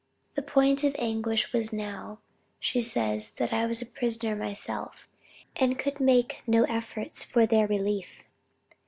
"The point of anguish now was," she says, "that I was a prisoner myself, and could make no efforts for their relief."